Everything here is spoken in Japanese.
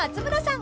ん？